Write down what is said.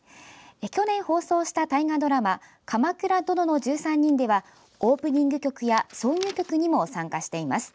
去年放送した大河ドラマ「鎌倉殿の１３人」ではオープニング曲や挿入曲にも参加しています。